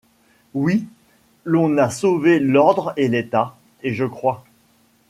Oui, l'on a sauvé l'ordre et l'état, et je crois